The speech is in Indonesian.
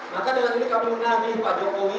maka dengan ini kami menampil pak jokowi